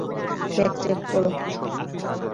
Bag check করো।